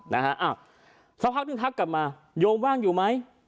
เท่าที่นึงทักมาโยมว่างอยู่มั้ย